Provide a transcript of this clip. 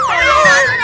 aduh aduh aduh